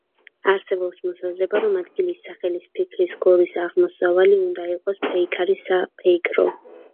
არსებობს მოსაზრება, რომ ადგილის სახელის, ფიქრის გორის ამოსავალი უნდა იყოს „ფეიქარი“, „საფეიქრო“.